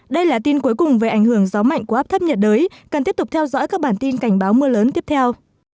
đây là tin cuối cùng về ảnh hưởng gió mạnh của áp thấp nhiệt đới cần tiếp tục theo dõi các bản tin cảnh báo mưa lớn tiếp theo